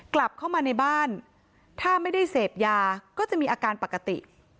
กลับเข้ามาในบ้านถ้าไม่ได้เสพยาก็จะมีอาการปกติ